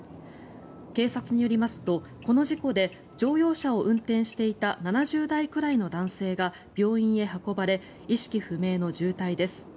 警察によりますとこの事故で乗用車を運転していた７０代くらいの男性が病院へ運ばれ意識不明の重体です。